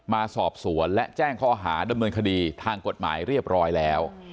มาสอบสวนและแจ้งข้อหาดำเนินคดีทางกฎหมายเรียบร้อยแล้ว